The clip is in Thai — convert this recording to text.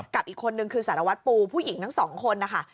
กับอีกคนนึงคือสารวัตรปูผู้หญิงทั้งสองคนนะคะ